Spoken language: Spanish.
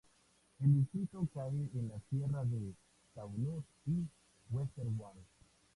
El distrito cae en la sierra de Taunus y Westerwald.